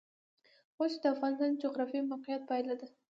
غوښې د افغانستان د جغرافیایي موقیعت پایله ده.